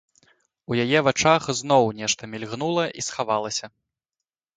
У яе вачах зноў нешта мільгнула і схавалася.